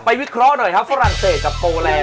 วิเคราะห์หน่อยครับฝรั่งเศสกับโปรแลนด